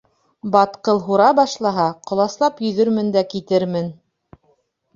Батҡыл һура башлаһа, ҡоласлап йөҙөрмөн дә китермен.